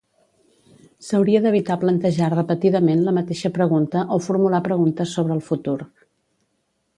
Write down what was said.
S'hauria d'evitar plantejar repetidament la mateixa pregunta o formular preguntes sobre el futur.